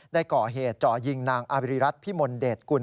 ได้ก่อเหตุจ่อยิงนางอาริรัติพิมลเดชกุล